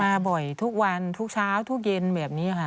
มาบ่อยทุกวันทุกเช้าทุกเย็นแบบนี้ค่ะ